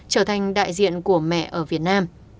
trở thành đại diện của mẹ ở việt nam